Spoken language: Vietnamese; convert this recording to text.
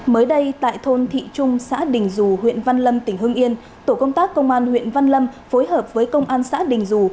mới đây tại thôn thị trung xã đình dù huyện văn lâm tỉnh hưng yên tổ công tác công an huyện văn lâm phối hợp với công an xã đình dù